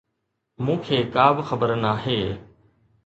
مون کي ڪا به خبر ناهي.